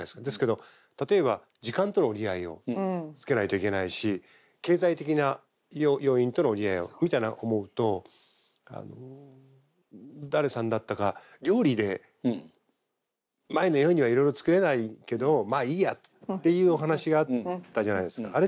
ですけど例えば時間との折り合いをつけないといけないし経済的な要因との折り合いをみたいな思うと誰さんだったか料理で前のようにはいろいろ作れないけど「まあいいや」っていうお話があったじゃないですか。